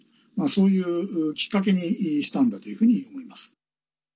そういうきっかけにしたんだというふうに思います。